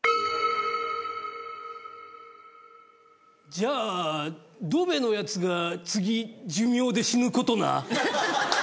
じゃあドベのやつが次寿命で死ぬことな。